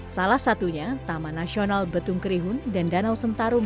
salah satunya taman nasional betung kerihun dan danau sentarung